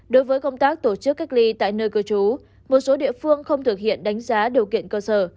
đối với công tác tổ chức cách ly tại nơi cư trú một số địa phương không thực hiện đánh giá điều kiện cơ sở